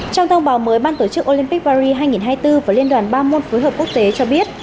trong thông báo mới ban tổ chức olympic paris hai nghìn hai mươi bốn và liên đoàn ba môn phối hợp quốc tế cho biết